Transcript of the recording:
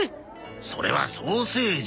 それはソーセージ！